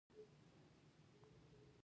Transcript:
بې سواده باید څنګه باسواده شي؟